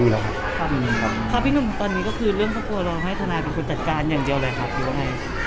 ครับพี่หนุ่มตอนนี้ก็คือเรื่องข้าวปัวเราให้ธนาคันคุณจัดการอย่างเดียวเลยหรือไง